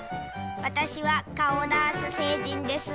わたしはカオダース星人です。